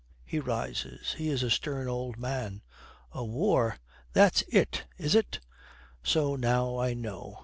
He rises. He is a stern old man. 'A war! That's it, is it? So now I know!